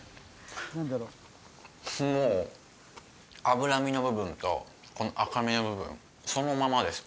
もう脂身の部分とこの赤身の部分そのままです